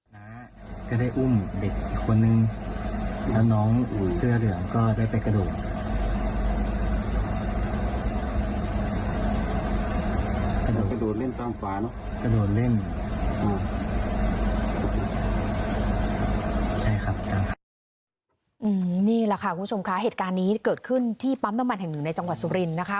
นี่แหละค่ะคุณผู้ชมคะเหตุการณ์นี้เกิดขึ้นที่ปั๊มน้ำมันแห่งหนึ่งในจังหวัดสุรินทร์นะคะ